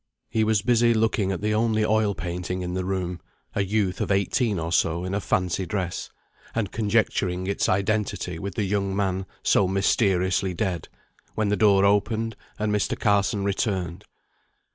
He was busy looking at the only oil painting in the room (a youth of eighteen or so, in a fancy dress), and conjecturing its identity with the young man so mysteriously dead, when the door opened, and Mr. Carson returned.